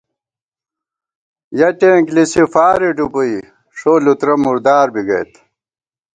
یَہ ٹېنک لِسی فارے ڈُبُوئی ݭو لُترہ مُردار بی گئیت